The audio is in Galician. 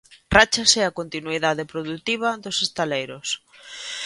Ráchase a continuidade produtiva dos estaleiros.